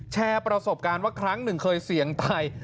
แชร์ประสบการณ์ว่าครั้งหนึ่งเคยเสี่ยงตาย